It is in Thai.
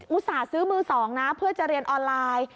อุตส่าห์ซื้อมือ๒นะเพื่อจะเรียนออนไลน์